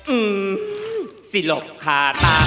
อื้มมซีหลบคาตา